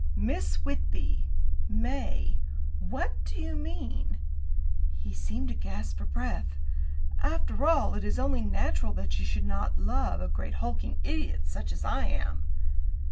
"Miss Whitby! May! What do you mean?" He seemed to gasp for breath. "After all, it is only natural that you should not love a great hulking idiot such as I am."